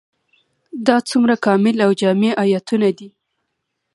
دا څومره کامل او جامع آيتونه دي ؟